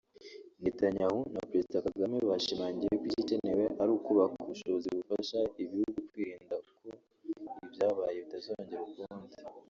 Netanyahu na Perezida Kagame bashimangiye ko igikenewe ari ukubaka ubushobozi bufasha ibihugu kwirinda ko ibyabaye bitazongera ukundi